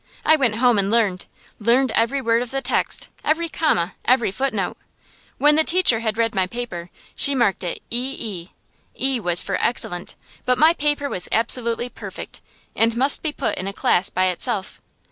I went home and learned learned every word of the text, every comma, every footnote. When the teacher had read my paper she marked it "EE." "E" was for "excellent," but my paper was absolutely perfect, and must be put in a class by itself.